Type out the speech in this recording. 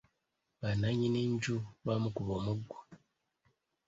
Bannannyini nju baamukuba omuggo.